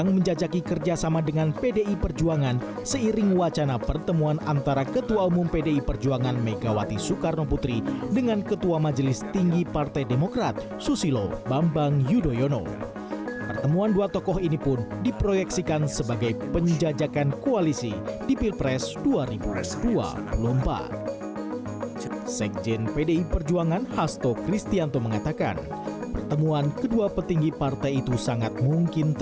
pendamping ketiga kandidat capres yang belakangan mulai mengerucut